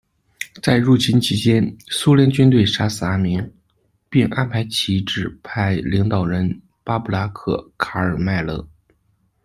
在入侵期间，苏联军队杀死阿明，并安排旗帜派领导人巴布拉克·卡尔迈勒。